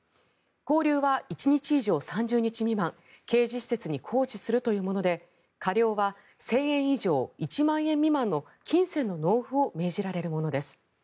拘留は１日以上３０日未満刑事施設に拘置するというもので科料は１０００円以上１万円未満の金銭の納付を命じられるものです。